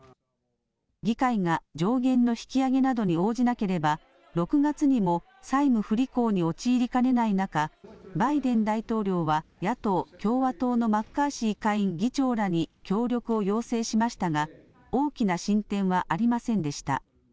議会が上限の引き上げなどに応じなければ６月にも債務不履行に陥りかねない中、バイデン大統領は野党・共和党のマッカーシー下院議長らに協力を要請しましたが大きな進展はありませんでした。